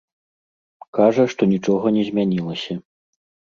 Кажа, што нічога не змянілася.